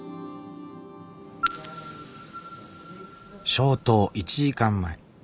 消灯１時間前。